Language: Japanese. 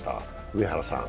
上原さん